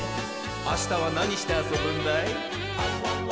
あしたはなにしてあそぶんだい？